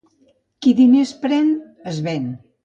Qui diners pren, es ven.